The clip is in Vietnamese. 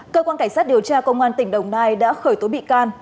cơ quan cảnh sát điều tra công an tỉnh đồng nai đã khởi tố bị can